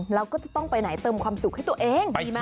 แล้วก็จะต้องไปไหนเติมความสุขให้ตัวเองดีมาก